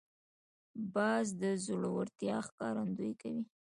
باز د زړورتیا ښکارندویي کوي